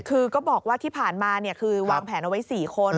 คือก็บอกว่าที่ผ่านมาคือวางแผนเอาไว้๔คน